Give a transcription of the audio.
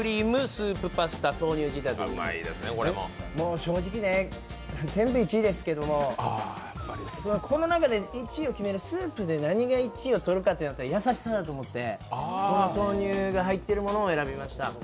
正直ね、全部１位ですけど、この中で１位を決める、スープで何が１位を取るかといったら優しさだと思って、この豆乳が入っているものを選びました。